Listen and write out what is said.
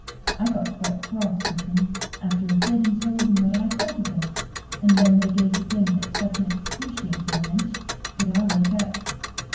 I got quite cross with them after a bit, and told them what I thought of them, and then they gave the gimlet such an excruciating wrench that I woke up.